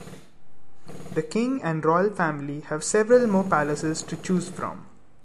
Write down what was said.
The king and Royal Family have several more palaces to choose from.